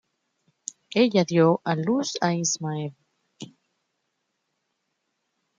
Ella dio a luz a Ismael.